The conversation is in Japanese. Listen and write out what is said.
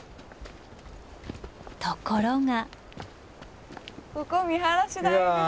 ところが。